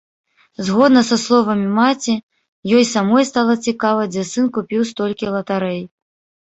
Згодна са словамі маці, ёй самой стала цікава, дзе сын купіў столькі латарэй.